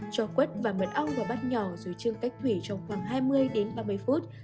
cho quất và mật ong vào bát nhỏ dưới chương cách thủy trong khoảng hai mươi đến ba mươi phút